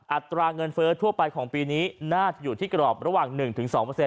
อัตราเงินเฟ้อทั่วไปของปีนี้น่าจะอยู่ที่กรอบระหว่าง๑๒